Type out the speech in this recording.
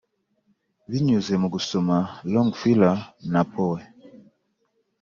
binyuze mu gusoma 'longfeller na poe,